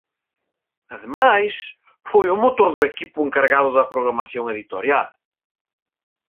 Ademais, foi o motor do equipo encargado da programación editorial.